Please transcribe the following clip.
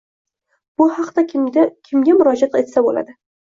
Bu haqda kimga murojaat etsa bo‘ladi?